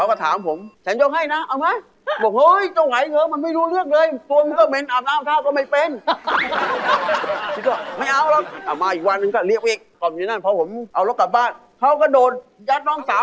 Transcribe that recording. ความเย็นด้านพอผมเอารถกลับบ้านเขาก็โดดยัดน้องสาม